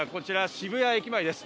渋谷駅前です。